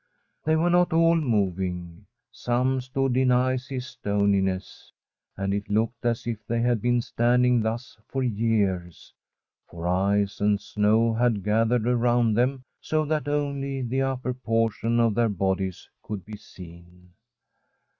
They were not all moving ; some stood in icy stoniness, and it looked as if they had been stand ing thus for years, for ice and snow had gathered around them so that only the upper portion of their bodies could be seen.